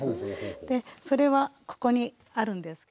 それはここにあるんです。